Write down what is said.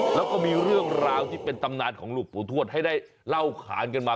แล้วก็มีเรื่องราวที่เป็นตำนานของหลวงปู่ทวดให้ได้เล่าขานกันมา